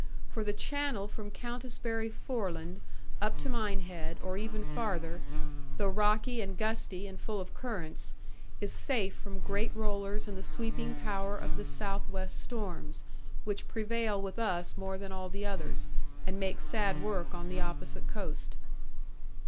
For the Channel from Countisbury Foreland up to Minehead, or even farther, though rocky, and gusty, and full of currents, is safe from great rollers and the sweeping power of the south west storms, which prevail with us more than all the others, and make sad work on the opposite coast.